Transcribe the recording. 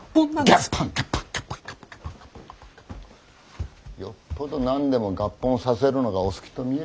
よっぽど何でも合本させるのがお好きと見える。